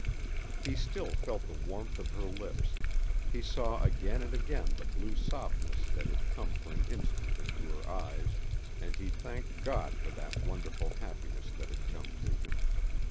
He still felt the warmth of her lips, he saw again and again the blue softness that had come for an instant into her eyes, and he thanked God for the wonderful happiness that had come to him.